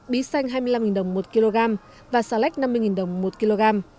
bí xanh hai mươi năm đồng một kg và xà lách năm mươi đồng một kg